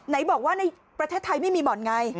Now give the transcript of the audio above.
ไหนบอกว่าในประเทศไทยไม่มีบ่อนไง